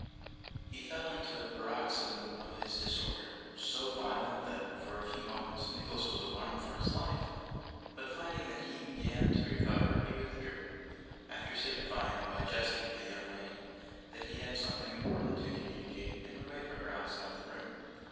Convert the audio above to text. He fell into a paroxysm of his disorder, so violent that for a few moments Nicholas was alarmed for his life; but finding that he began to recover, he withdrew, after signifying by a gesture to the young lady that he had something important to communicate, and would wait for her outside the room.